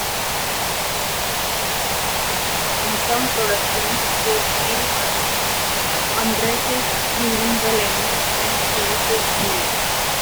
In some productions Foreskin undresses during the lament and finishes nude.